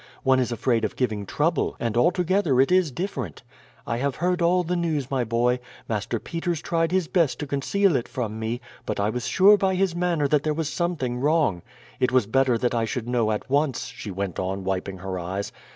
One is afraid of giving trouble, and altogether it is different. I have heard all the news, my boy. Master Peters tried his best to conceal it from me, but I was sure by his manner that there was something wrong. It was better that I should know at once," she went on, wiping her eyes.